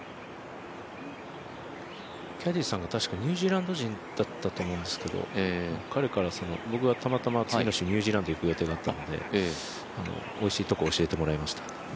キャディーさんがたしかニュージーランド人だったと思うんですけど彼から僕がたまたま次の週にニュージーランド行く予定だったので、おいしいところ教えてもらいました。